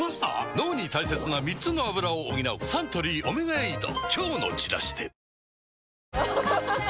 脳に大切な３つのアブラを補うサントリー「オメガエイド」